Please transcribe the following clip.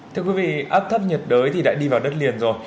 thưa quý vị áp thấp nhiệt đới thì đã đi vào đất liền rồi